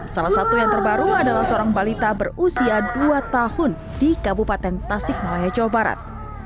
salah satu yang terbaru adalah seorang balita berusia dua tahun di kabupaten tasik malaya jawa barat